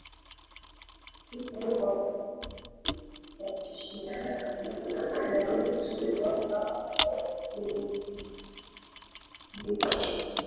kufika Mapadri wa Shirika la Yesu wakaanza kuhubiri na kufundisha